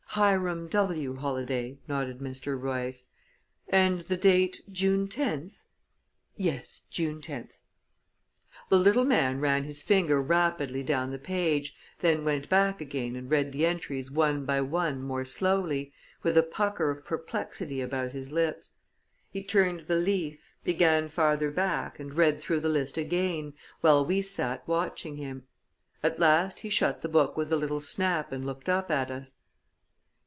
"Hiram W. Holladay," nodded Mr. Royce. "And the date June 10th?" "Yes June 10th." The little man ran his finger rapidly down the page, then went back again and read the entries one by one more slowly, with a pucker of perplexity about his lips. He turned the leaf, began farther back, and read through the list again, while we sat watching him. At last he shut the book with a little snap and looked up at us.